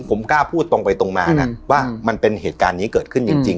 ผมกล้าพูดตรงไปตรงมานะว่ามันเป็นเหตุการณ์นี้เกิดขึ้นจริง